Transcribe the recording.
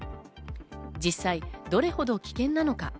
実際どれほど危険なのか？